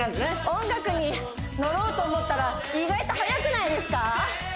音楽に乗ろうと思ったら意外と速くないですか？